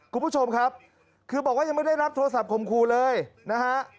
คุณผู้ชมครับคือบอกว่ายังไม่ได้รับโทรศัพท์คมครูเลยนะฮะ